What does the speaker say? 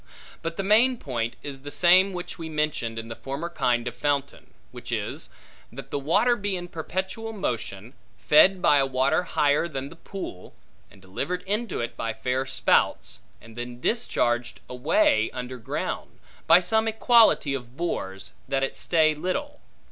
But the main point is the same which we mentioned in the former kind of fountain; which is, that the water be in perpetual motion, fed by a water higher than the pool, and delivered into it by fair spouts, and then discharged away under ground, by some equality of bores, that it stay little.